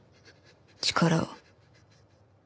力を。